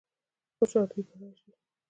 خوشحالي به راشي؟